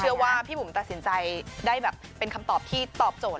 ว่าพี่บุ๋มตัดสินใจได้แบบเป็นคำตอบที่ตอบโจทย